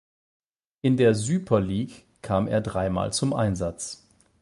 In der Süper Lig kam er dreimal zum Einsatz.